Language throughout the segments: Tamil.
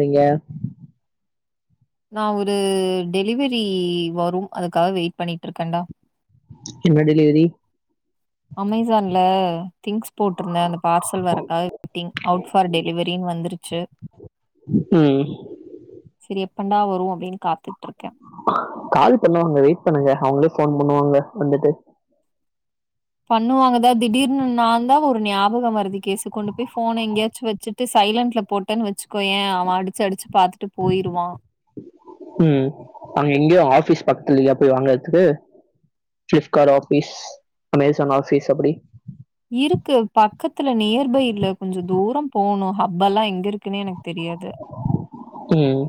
நீங்க நா ஒரு டெலிவரி வரும் அதுக்காக வெயிட் பண்ணிட்ருக்கன்டா எப்ப டெலிவரி அமேசான்ல திங்ஸ் போட்ருந்தே அந்த பார்சல் வரக்காக வெயிட்டிங் அவுட் ஃபார் டெலிவரி பின் வந்திருச்சி ம் செரி எப்பண்டா வரும் அப்டின் காத்துட்ருக்கே கால் பண்ணுவாங்க வெயிட் பண்ணுங்க அவுங்களே ஃபோன் பண்ணுவாங்க வந்துட்டு பண்ணுவாங்கதா திடீர்னு நா தா ஒரு ஞாபக மருதி கேசு கொண்டு போய் ஃபோன எங்கயாச்சு வச்சு சைலன்ட்ல போட்டேன்னு வச்சுக்கோயேன் அவன் அடிச்சி அடிச்சி பாத்துட்டு போயிருவா ம் அங்க எங்கயும் ஆபீஸ் பக்கத்துலய போய் வாங்கறதுக்கு ஃபிலிப்காட் ஆஃபிஸ் அமேசான் ஆஃபிஸ் அப்டி இருக்கு பக்கத்துல நியர்பைல கொஞ்சம் தூரம் போணும் ஹப்பல்லா எங்க தினே எனக்கு தெரியாது ம்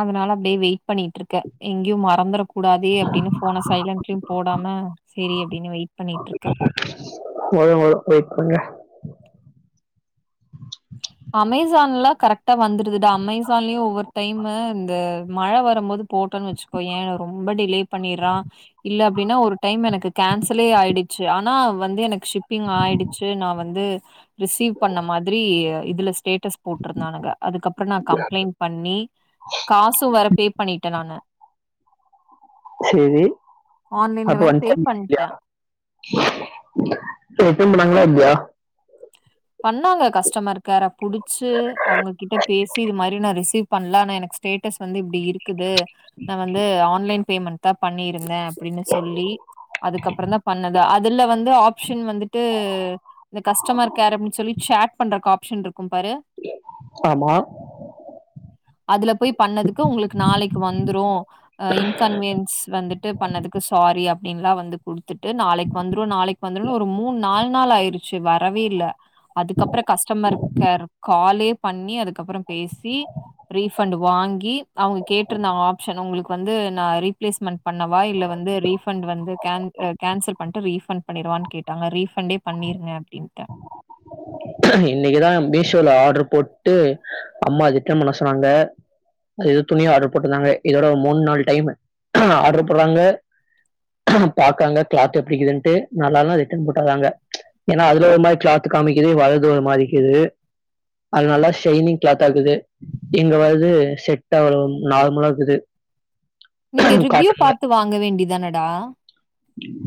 அதுனால அப்டியே வெயிட் பண்ணிட்ருக்கே எங்கயும் மறந்துற கூடாதே அப்டின்னு போன சைலன்ட்ல போடாம சேரி அப்டின்னு வெயிட் பண்ணிட்டுருக்கே மழ வரும் வெயிட் பண்ணுங்க அமேசான்ல்லா கரெக்டா வந்துருதுடா அமேசான்லயும் ஒவ்வொரு டைம் இந்த மழ வரும்போது போட்டோன்னு வச்சுக்கோயேன் ரொம்ப டிலே பண்ணிறான் இல்ல அப்டின்னா ஒரு டைம் எனக்கு கேன்சலே ஆயிடுச்சு ஆனா வந்து எனக்கு ஷிப்பிங் ஆயிடு ச்சு நா வந்து ரிசீவ் பண்ண மாதிரி இதுல ஸ்டேட்டஸ் போட்டிருந்தானுங்க அதுக்கப்றோ நா கம்ப்ளைண்ட் பண்ணி காசு வேற பே பண்ணிட்டேன் நானு சேரி ஆன்லைன்ல வேற பே பண்டேன் ரிடென் பண்ணாங்களா இல்யா பண்ணாங்க கஸ்டமர் கேர புடிச்சு அவுங்ககிட்ட பேசி இது மாரி நா ரிசீவ் பண்ல எனக்கு ஸ்டேட்டஸ் வந்து இப்டி இருக்குது நா வந்து ஆன்லைன் பேமெண்ட் தா பண்ணியிருந்தே அப்டின்னு சொல்லி அதுக்கப்றோ தா பண்ணது அதுல வந்து ஆப்ஷன் வந்துட்டு இந்த கஸ்டமர் கேர் அப்டின்னு சொல்லி சேட் பண்றக்கு ஆப்ஷன் இருக்கும் பாரு ஆமா அதுல போய் பண்ணதுக்கு உங்களுக்கு நாளைக்கு வந்துரு அ இன்கன்வியன்ஸ் வந்துட்டு பண்ணதுக்கு சாரி அப் அப்டின்னுலா வந்து குடுத்துட்டு நாளைக்கு வந்துரும் நாளைக்கு வந்துரும்னு ஒரு மூணு நாலு நாள் ஆயிருச்சு வரவே இல்ல அதுக்கப்பறம் கஷ்டமர் கேர் காலே பண்ணி அதுக்கப்பறம் பேசி ரீபண்ட் வாங்கி அவங்க கேட்டிருந்த ஆப்சன் உங்களுக்கு வந்து நான் ரீப்ளேஸ்மெண்ட் பண்ணவா இல்ல வந்து ரீபண்ட் வந்து கேன்சல் பண்ட்டு ரீபண்ட் பண்ணிருவான்னு கேட்டாங்க ரீபண்டே பண்ணிருங்க அப்டின்ட்டே இன்னைக்குதான் மீஷோல ஆட்ரு போட்டு அம்மா ரிட்டன் பண்ண சொன்னாங்க அது எது துணியா ஆர்டர் போட்ருந்தாங்க இதோட மூணு நாள் டைம் ஆர்டர் போடுறாங்க பாக்காங்க கிளாத் எப்டிக்குதுன்ட்டு நல்லால்னா ரிட்டன் போட்ருதாங்க ஏனா அதுல ஒரு மாரி கிளாத்து காமிக்குது வரது ஒரு மாரிக்குது அது நல்லா ஷைனிங் கிளாத்தா இருக்குது இங்க வருது செட் அ வரும் நார்மலா இக்குது நீங்க ரிவ்யூ பாத்து வாங்க வேண்டிதானடா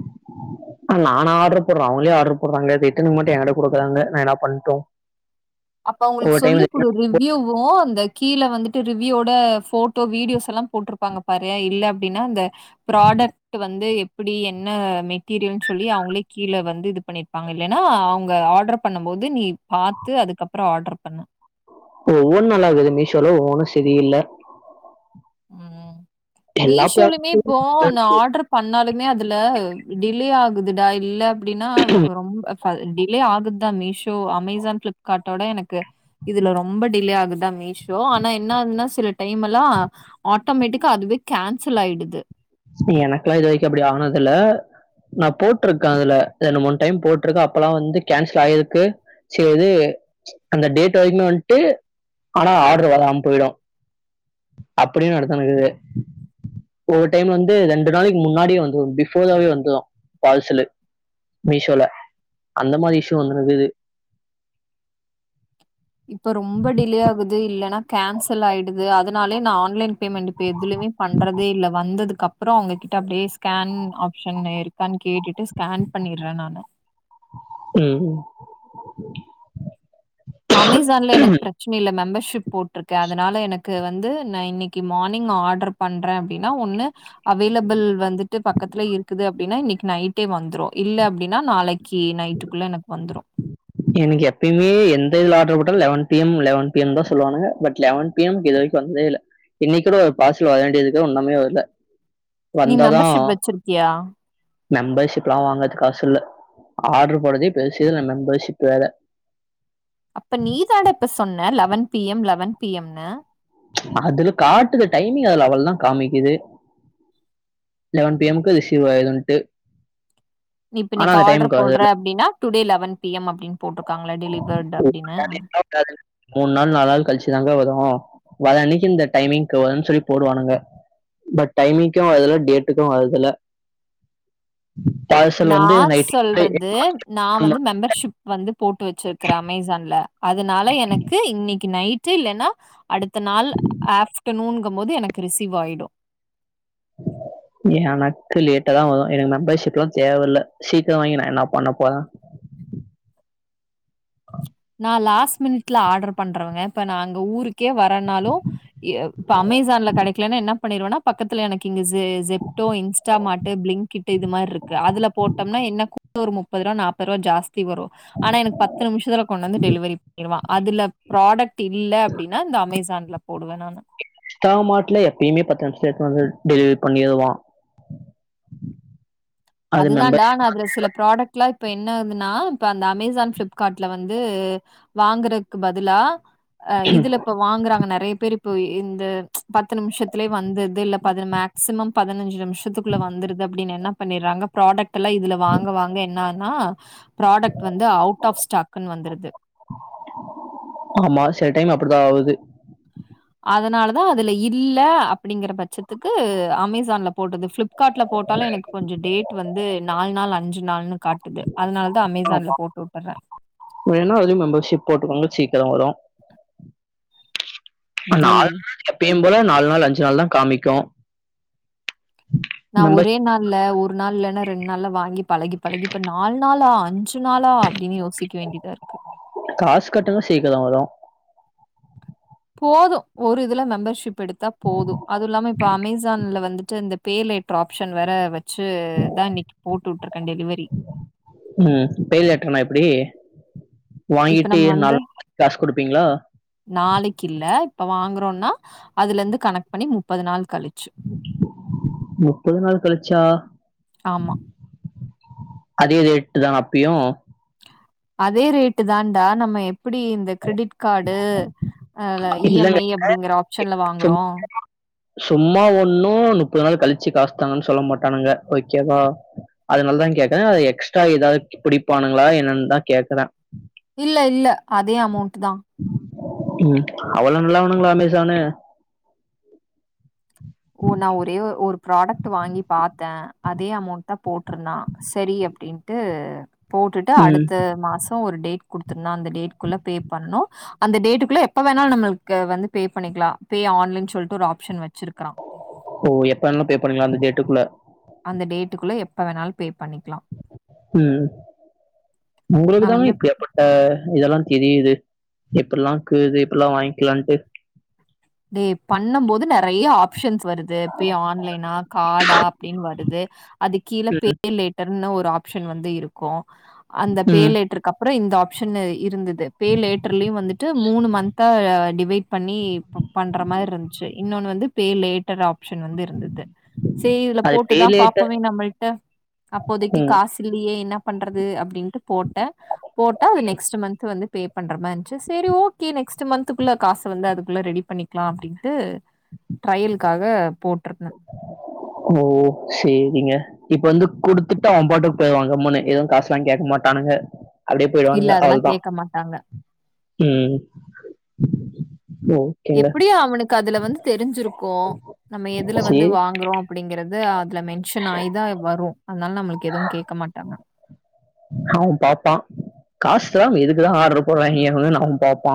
[inaudible] நானா ஆட்ரு போறன் அவங்களே ஆட்ரு போடுறாங்க ரிட்டன்னுகு மட்டும் எங்கட்ட கொடுக்கறாங்கா நா எனாப் பண்டோம் அப்ப அவங்களுக்கு சொல்லி் கொடு ரிவ் யுவும் அந்த கீழ வந்துட்டு ரிவ்யோட போட்டோ வீடியோஸ் எல்லா போட்டிருப்பாங்க பாரு இல்ல அப்டின்னா அந்த ப்ராடக்ட் வந்து எப் எப்டி என்ன மெட்டீரியல்ன்னு சொல்லி அவங்களே கீழ வந்து இது பண்ணிருப்பாங்க இல்லனா அவங்க ஆர்டர் பண்ணும் போது நீ பாத்து அதுக்கப்பறம் ஆர்டர் பண்ணன் ஒவ்வொன்னு நள்ளாகுது மீஷோல ஒன்னு செரி இல்ல ம் எல்லா பிளாட்டும் மீஷோலயுமே இப்போ நான் ஆட்ரு பண்ணாலுமே அதுல டிலே ஆகுதுடா இல்ல எப்டின்னா ரொம்ப டிலே ஆகுதுதான் மீஷோ அமேசான் பிளிப்கார்ட்டோட எனக்கு இதுல ரொம்ப டிலே ஆகுதா மீஷோ ஆனா என்ன ஆகுதுன்னா சில டைம் மெலாம் ஆட்டோமேட்டிக்கா அதுவே கேன்சல் ஆயிடுது எனக்லா இதுவரைக்கும் அப்டி ஆனதுல நான் போட்ருக்கே அதுல ரெண்டு மூணு டைம் போட்ருக்கே அப்பல்லாம் வந்து கேன்சல் ஆய்ருக்கு செரி அந்த டேட் வாங்கினு வந்ட்டு ஆனா ஆட்ரு வராம போய்டும் அப்டியூ எடுத்துனுக்குது டைம்ல வந்து ரெண்டு நாளைக்கு முன்னாடியே வந்துரு பிபோர் ராவே வந்துது பாச்சலு மீஷோல அந்த மாறி இஷயு வந்துனுக்குது இப்ப ரொம்ப டிலே ஆகுது இல்லன்னா கேன்சல் ஆயிடுது அதனாலே நான் ஆன்லைன் பேமெண்ட் இப்ப எதுலுமே பண்றதே இல்லை வந்ததுக்கு அப்றம் அவங்ககிட்ட அப்டியே ஸ்கேன் ஆப்ஷன் இருக்கான்னு கேட்டுட்டு ஸ்கேன் பண்ணிறோ நானு ம் அமேசான்ல எனக்கு பிரச்சன இல்ல மெம்பர்ஷிப் போட்டிருக்கேன் அதனால எனக்கு வந்து நான் இன்னிக்கு மார்னிங் ஆர்டர் பண்றோ அப்டின்னா ஒண்ணு அவைலபிள் வந்துட்டு பக்கத்துல இருக்குது அப்டின்னா இன்னைக்கு நைட்டே வந்துரும் இல்ல அப்டின்னா நாளைக் கி நைட்டுக்குள்ள எனக்கு வந்துறும் எனக்கு எப்பயேமே எந்த இதுல ஆர்டர் போட்ட eleven P M eleven P எம்தான் சொல்லுவானுங்க பட் லெவன் பி எம் க்கு இது வரைக்கும் வந்ததே இல்ல இன்னைக்கூட ஒரு பாசல் வர வேண்டியதுக்கு உன்னமே வரல நீ மெம்பர்ஷிப் வெச்சிருக்கியா மெம்பர்ஷிப்லா வாங்குறதுக் காசுல்ல ஆர்டரு போடுறதே பெருசு இதுல மெம்பர்ஷிப் வேற அப்ப நீதாண்டா இப்ப சொன்ன eleven P M eleven P எம்னு அதுல காட்டுது டைமிங் அதுல அவ்ளோதா காமிக்குது லெவன் பி எம் க்கு அது ரிசிவ் ஆயிடுன்ட்டு இப்ப நீக்கு ஆர்டர் வருது போடுற அப்டின்னா டுடே லெவன் பி எம் அப்டின் போட்ருக்காங்களா டெலிவர்ட் அப்டின்னு மூணு நாள் நாலு நாள் கழிச்சுதாங்கா வரு வர அன்னைக்கு இந்த டைமிங்க்கு வருன் சொல்லி போடுவானுங்க பட் டைமி்ங்க்கு வரதுல டேட்டுக்கு வரதுல்ல பார்சல் வந்து நைட் எட்டு [inaudible] நா வந்து மெம்பர்ஷிப் வந்து போட்டு வச்சுருக்குற அமேசான்ல அதனால எனக்கு இன்னைக்கு நைட் ட்டு இல்லனா அடுத்த நாள் ஆஃப்டர்நூனுங்கு போது எனக்கு ரிசீவ் ஆய்டு [inaudible] எனக்கு லேட்டாதா வரு எனக்கு மெம்பர்ஷிப்லா தேவையில்ல சீக்கிர வாங்கி நா என்ன பண்ண போற நா லாஸ்ட் மினிட்ல ஆர்டர் பண்றவங்க இப்ப நா அங்க ஊருக்கே வரேனாலு இப்ப அமேசான்ல கெடைக்கலானா என்ன பண்ணிருவேனா பக்கத்துல எனக்கு இங்கஸ் இது ஜெப்டோ இன்ஸ்டா மார்ட்டு் பிளிங்க்ட் இது மாரிருக்கு அதுல போட்டோம்னா என்னக் ஒரு முப்பது ரூபா நாற்பது ரூபா ஜாஸ்தி வரு ஆனா எனக்கு பத்ர கொண்டாந்து டெலிவரி பண்ணிடுவா அதுல ப்ராடக்ட் இல்ல அப்டின்னா இந்த அமேசான்ல போடுவ நானு இன்ஸ்டா மார்ட்ல எப்பயுமே பத்து நிமிஷத்துல எத்துன் வந்து டெலிவரி பண்ணிருவா [inaudible] அதுதாண்டா ஆனா அதுல சிலப் ப்ராடக்ட்லா இப்ப என்ன ஆதுன்னா இப்ப அந்த அமேசான் ஃபிளிப்கார்ட்ல வந்து வாங்குறக்கு பதிலா அ இதுல இப்ப வாங்குறாங்க நெறய பேர் இப்ப இந்த பத்து நிமிஷத்துலயே வந்துர் இல்ல ப மேக்சிமம் பதினஞ்சு நிமிஷத்துக்குள்ள வந்துருது அப்டின்னு என்னாப் பண்றாங்க ப்ராடக்ட் எல்லா இதுல வாங்க வாங்க என்னானா ப்ராடக்ட் வந்து அவுட் ஆஃப் ஸ்டாக்குன் வந்துருது ஆமா சில டைம் அப்டிதா ஆவுது அதனாலதா அதுல இல்ல அப்டிங்கற பட்சத்துக்கு அமேசான்ல போட்டது ஃப்ளிப் கார்ட்ல போட்டாலு எனக்கு கொஞ்சோ டேட் வந்து நாலு நாள் அஞ்சு நாள்னு காட்டுது அதனாலதா அமேசான்ல போட்டு உட்டுர்ற வேணுனா அதுலயு மெம்பர்ஷிப் போட்டுக்கோங்க சீக்கிர வரு நாலு டேய்! நாள் எப்பயு போல நாலு நாள் அஞ்சு நாள் தா காமிக்கு நா ஒரே மெம்பர்ஷிப் நாள்ல ஒ ஒரு நாள் இல்லனா ரெண்டு நாள்ல வாங்கி பழகி பழகி இப்ப நாலு நாள்லா அஞ்சு நாளா டின் யோசிக்க வேண்டியதாருக்கு காசு கட்டுனா சீக்கர வரு போது ஒரு இதுல மெம்பர்ஷிப் எடுத்தா போது அதுவு இல்லாம இப்ப அமேசான்ல வந்துட்டு இந்த பேலேட்டர் ஆப்ஷன் வேற வெச்சு தா இன்னைக்கு போட்டு உட்ருக்க டெலிவரி ம் பேலேட்டர்னா எப்டி இப்ப வாங்கிட்டு நம்ம நாலு நாள் காசு குடுப்பீங்ளா நாளைக்கில்ல இப்ப வாங்குறோனா அதுல இருந்து கணக்கு பண்ணி முப்பது நாள் கழிச் முப்பது நாள் கழிச்சா ஆமா. அதே ரேட்தா அப்பயு அதே ரேட்டு தான்டா நம்ம எப்பிடி இந்த கிரெடிட் கார்டு அல இ எம் இல்லங்க. ஐ அப்டிங்குற ஆப்ஷன்ல சும் வாங்றோ சும்மா ஒண்ணூ நுப்பது நாள் கழிச்சு காசு தாங்கன்னு சொல்ல மாட்டானுங்க ஓகேவா அதனாலதா கேக்கறே அது எக்ஸ்ட்ரா ஏதாவது பிடிப்பானுங்களா என்ன்னு தா கேக்கறே இல்ல இல்ல அதே அமௌன்ட் தா ம் அவ்ளோ நல்லவனுங்களா அமேசானு ஓ நா ஒரே ஒரு ப்ராடக்ட் வாங்கி பாத்தே அதே அமௌண்ட தா போட்டுருந்தா சரி அப்டின் ட்டு போட்டுட்டு ம். அடுத்த மாசம் ஒரு டேட் குடுத்துருந்தா அந்த டேட்குள்ள பே பண்ணோ அந்த டேட்டுக்குள்ள எப்ப வேணாலு நம்மளுக்கு வந்து பே பண்ணிக்கலா பே ஆன்னு சொல்லிட்டு ஒரு ஆப்ஷன் வெச்சிருக்கறா ஓ எப்ப வேணாலு பே பண்ணிக்கலா அந்த டேட்டுக்குள்ள அந்த டேட்டுக்குள்ள எப்ப வேணாலு பே பண்ணிக்கலா ம் உங்ளுக்கு நான் தாங்க வந்து இப்டியாப்பட் ஆ இதெல்லா தெரியுது எப்டில்லாங்க்கூது இப்பெல்லா வாங்கிலான்ட்டு டேய் பண்ணம் போது நெறய ஆப் ஷன்ஸ் வருது பே ஆன்லைனா கார்டா அப்டின் வருது அதுக் கீழ பே லேட் டர்னு ஒரு ஆப்ஷன் வந்து இருக்கூ அந்த ம். பேலேட்டருக்கு அப்புறொ இந்த ஆப்ஷன் இருந் தது பே லேட்டர்லயூ வந்துட்டு மூனு மந்த்தா டிவைட் பண்ணி பண்ற மாரி இருந்துச்சு இன்னொன்னு வந்து பே லேட்டர் ஆப்ஷன் வந்து இருந்தது சேரி இதுல அது பே போட்டுதா லேட்டு பாப்போமோ நம்மள்ட்ட அப்போதைக்கி ம். காஸ் இல்லியே என்ன பண்றத்து அப்டின்ட்டு போட்டே போட்டா அது நெக்ஸ்ட் மந்த் வந்து பே பண்ற மாரி இருந்துச்சு சரி ஓகே நெக்ஸ்ட் மந்த்குள்ள காசு வந்து அதுக்குள்ள ரெடிப் பண்ணிக்கலா அப்டின்ட்டு ட்ரையலுக்காக போட்ருந்தே ஓ சேரிங்க இப்ப வந்து குடுத்துட்டு அவே பாட்டுக்கு போயிடுவா கம்முன்னு எதுவூ காசுல்லா கேக்க மாட்டானுக அப்டியே இல்ல போயிடுவானுங்க அதெல்லாம் அவ்ள்தா கேட்க மாட்டாங்க. ம் ஓ எப்படியூ அவனுக்கு அதுல வந்து தெரிஞ்சிருக்கூ நம்ம எதுல சரி, வந்து வாங்கறோ அப்டிங்கறது அத் துல மென்ஷன் ஆயிதா வரூ அதனால நம்மளுக்கு எதுவூ கேட்க மாட்டாங்க அவே பாப்பான் காசு இல்லாம எதுக்குடா ஆர்டரு போடுறாய்ங்க அப்டினு அவே பாப்பா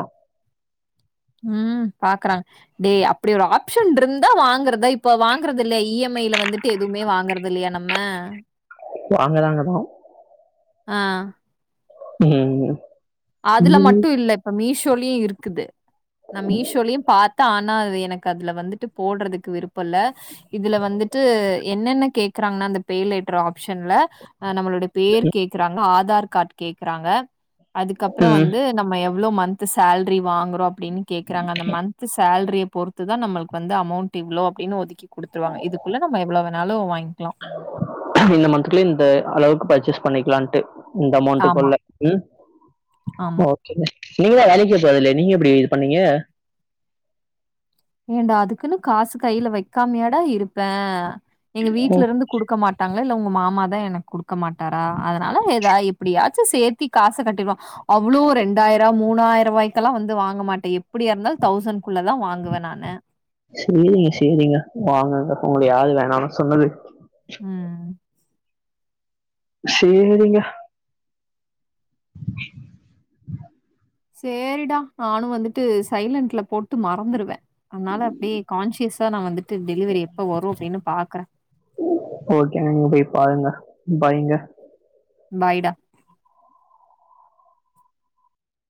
ம் பாக்கறா டேய் அப்டி ஒரு ஆப்ஷன் இருந்தா வாங்கறதா இப்ப வாங்கறதில்லையா இ எம் ஐல வந்துட்டு எதுவுமே வாங்குறதில்லயா நம்ம வாங்கறாங்க மாம் ஆ ம் அதுல ம். மட்டூ இல்ல இப்ப மீஷோலுயூ இருக்குது நா மீஷோலயும் பாத் ஆனா அது எனக்கு அதுல வந்துட்டு போடறதுக்கு விருப்பேல்ல இதுல வந்துட்டு என்னென்ன கேக்குறாங்கன்னா அந்த பே லேட்டர் ஆப்ஷன்ல அ நம்மளோட பேர் கேக்குறாங்க ஆதார் கார்டு கேக்குறாங்க அதுக்கப்புறொ ம். வந்து நம்ம எவ்வளோ மந்த் சேல்ரி வாங் அப்டின்னு கேக்குறாங்க அந்த மந்த் சேல்ரியைப் பொறுத்துதா நம்முளுக்கு வந்து அமௌண்ட் இவ்ளோ அப்டின்னு ஒதுக்கி குடுத்துருவங்க இதுக்குள்ள நம்ம எவ்வளோ வேணாலூ வாங்கிலா இந்த மந்த்குல இந்த அளவுக்கு பர்ச்சேஸ் பண்ணிக்கலான்ட்டு இந்த ஆமா, அமௌண்ட்டுக்குள்ள ம் ஆமா. ஓகே நீங்க தா வேலைக்கே போகல்லியே நீங்க எப்டி இது பண்ணீங்க ஏண்டா அதுக்குன்னு காசு கையில வைக்காமையாடா இருப்பே எங்க ஓ! வீட்ல இருந்து கொடுக்க மாட்டாங்ளா இல்ல உங்க மாமா தா எனக்கு கொடுக்க மாட்டாரா அதனால எதா எப்படியாச்சும் சேர்த்தி காச கட்டிருவோ அவ்ளோ ரெண்டாயிரோ மூணாயிரோ ரூவாய்கெல்லா வந்து வாங்க மாட்டே எப்டி இருந்தாலூ தௌசண்ட குள்ள தா வாங்குவே நா ன்னோ சேரிங்க சேரிங்க வாங்கங்க உங்கள யாரு வேணாம்னு சொன்னது ம் சேரிங்க [inaudible] சேரிடா நானும் வந்துட்டு சைலன்ட்ல போட்டு மறந்துருவே அதனால அப்டியே கான்சியஸா நா வந்துட்டு டெலிவரி எப்ப வரு அப்டின்னு பாக்குறே. ஓகேங்க நீங்க போய் பாருங்க பைங்க பாய்டா